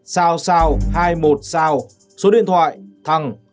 sao sao hai mươi một sao số điện thoại thằng